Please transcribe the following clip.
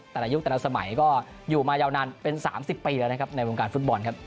ยุคแต่ละสมัยก็อยู่มายาวนานเป็น๓๐ปีแล้วนะครับในวงการฟุตบอลครับ